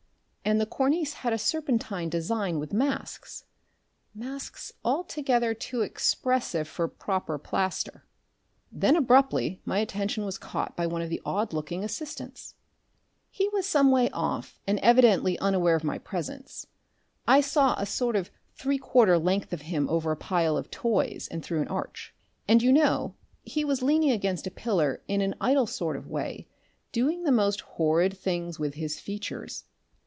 And the cornice had a serpentine design with masks masks altogether too expressive for proper plaster. Then abruptly my attention was caught by one of the odd looking assistants. He was some way off and evidently unaware of my presence I saw a sort of three quarter length of him over a pile of toys and through an arch and, you know, he was leaning against a pillar in an idle sort of way doing the most horrid things with his features!